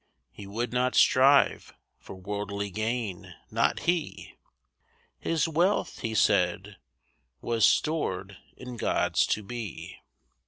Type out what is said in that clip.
He would not strive for worldly gain, not he. His wealth, he said, was stored in God's To Be.